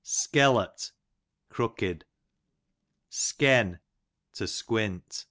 Skellut, crook'd. Sken, to squint.